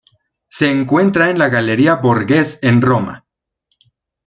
Se encuentra en la Galería Borghese en Roma.